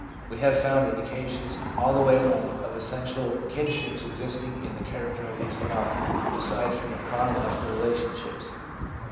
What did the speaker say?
We have found indica tions all the way along of essential Unships existing in the character of these phenomena aside from their chronological relationships.